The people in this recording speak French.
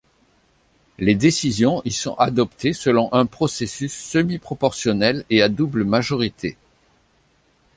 Les décisions y sont adoptées selon un processus semi-proportionnel et à double majorité.